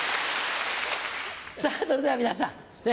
さぁそれでは皆さん